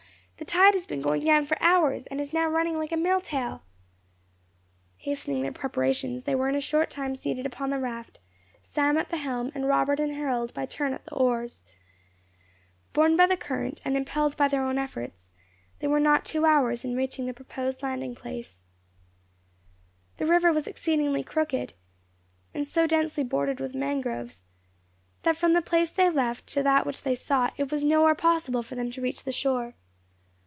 The tide has been going down for hours, and is now running like a mill tail!" Hastening their preparations, they were in a short time seated upon the raft, Sam at the helm, and Robert and Harold by turn at the oars. Borne by the current, and impelled by their own efforts, they were not two hours in reaching the proposed landing place. [Illustration: They were not two hours in reaching the proposed landing place] The river was exceedingly crooked, and so densely bordered with mangroves, that from the place they left to that which they sought, it was nowhere possible for them to reach the shore.